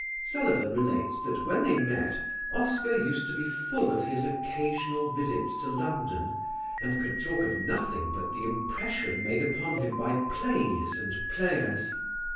Sullivan relates that when they met Oscar used to be full of his occasional visits to London and could talk of nothing but the impression made upon him by plays and players.